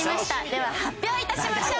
では発表いたしましょう！